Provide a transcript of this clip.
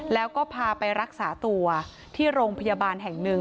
แล้วก็พาไปรักษาตัวที่โรงพยาบาลแห่งหนึ่ง